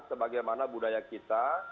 sebagaimana budaya kita